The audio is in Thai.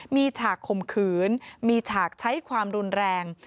มีฉากข่มขืนมีฉากใช้ความรุนแรง